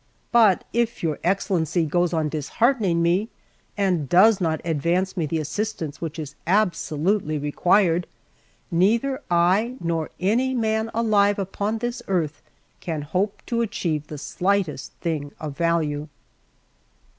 But if your Excellency goes on disheartening me, and does not advance me the assistance which is absolutely required, neither I nor any man alive upon this earth can hope to achieve the slightest thing of value."